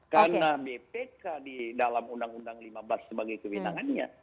karena bpk di dalam undang undang lima belas sebagai kewinangannya